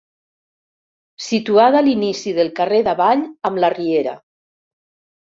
Situada a l'inici del carrer d'Avall amb la Riera.